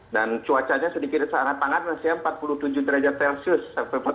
dan cuacanya sedikit di sana tangan masih empat puluh tujuh derajat celcius sampai empat puluh delapan